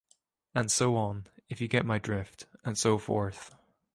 And so on, if you get my drift, and so forth.